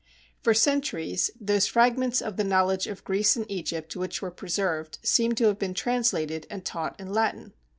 For centuries those fragments of the knowledge of Greece and Egypt which were preserved seem to have been translated and taught in Latin.